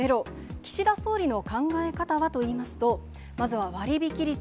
岸田総理の考え方はといいますと、まずは割引率。